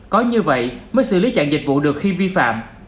có như vậy mới xử lý chặn dịch vụ được khi vi phạm